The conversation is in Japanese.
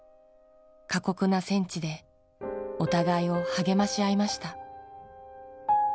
過酷な戦地でお互いを励まし合いました。